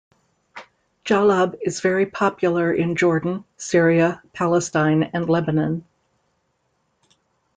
Jallab is very popular in Jordan, Syria, Palestine and Lebanon.